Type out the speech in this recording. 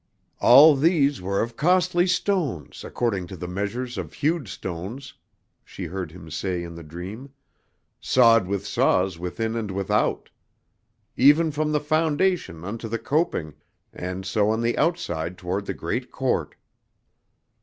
"All these were of costly stones, according to the measures of hewed stones," she heard him say in the dream, "sawed with saws within and without. Even from the foundation unto the coping, and so on the outside toward the great court."